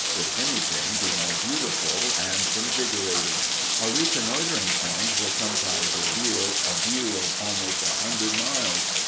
Could anything be more beautiful and invigorating? A reconnoitering point will sometimes reveal a view of almost a hundred miles.